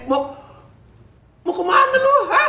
mau kemana lu